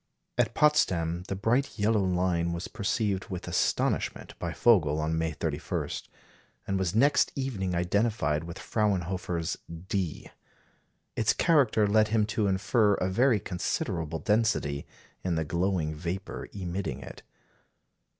At Potsdam, the bright yellow line was perceived with astonishment by Vogel on May 31, and was next evening identified with Fraunhofer's "D." Its character led him to infer a very considerable density in the glowing vapour emitting it.